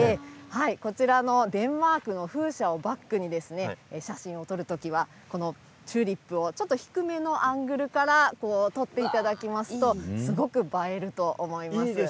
こちらのデンマークの風車をバックに写真を撮る時はチューリップをちょっと低めなアングルから撮っていただきますとすごく映えると思います。